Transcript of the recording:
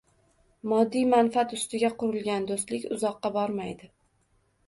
Moddiy manfaat ustiga qurilgan “do‘stlik” uzoqqa bormaydi.